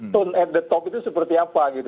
tone at the top itu seperti apa gitu